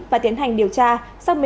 và tiến hành điều tra